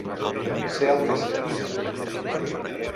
Sé el que sents.